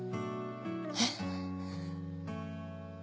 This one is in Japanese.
えっ？